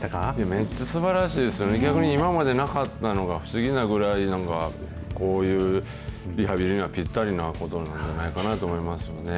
めっちゃすばらしいですよね、逆に今までなかったのが不思議なぐらい、なんかこういう、リハビリにはぴったりなことなんじゃないかなと思いますよね。